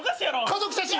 家族写真。